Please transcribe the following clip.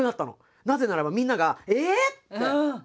なぜならばみんながええ！って。